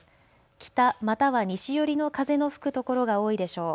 北または西寄りの風の吹く所が多いでしょう。